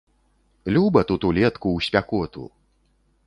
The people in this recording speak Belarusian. Люба тут улетку ў спякоту!